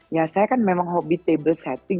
ya saya kan memang hobi table setting